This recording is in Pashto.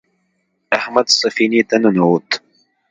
احمد سفینې ته ننوت.